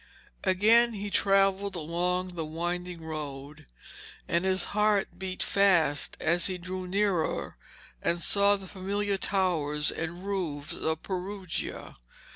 Again he travelled along the winding road, and his heart beat fast as he drew nearer and saw the familiar towers and roofs of Perugia.